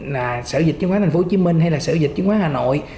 là sở dịch chính khoán tp hcm hay là sở dịch chính khoán hà nội